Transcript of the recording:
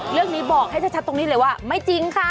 เรื่องนี้บอกให้ชัดตรงนี้เลยว่าไม่จริงค่ะ